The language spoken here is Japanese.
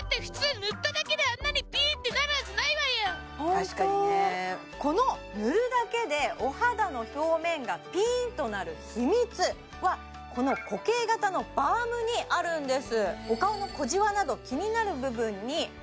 確かにねこの塗るだけでお肌の表面がピーンとなる秘密はこの固形型のバームにあるんです